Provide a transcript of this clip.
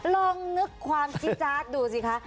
ลองนึกความจิจาร์ดดูสิคะ